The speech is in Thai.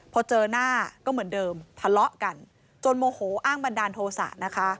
พอเจอหน้าก็เหมือนเดิมทะเลาะกันจนโมโหอ้างบันดาลโทษะนะคะ